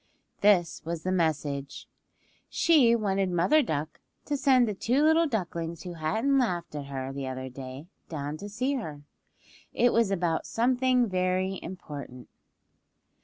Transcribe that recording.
This was the message. She wanted Mother Duck to send the two little ducklings who hadn't laughed at her the other day down to see her. It was about something very important.